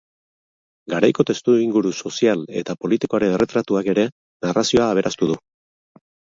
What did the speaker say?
Garaiko testuinguru sozial eta politikoaren erretratuak ere narrazioa aberastu du.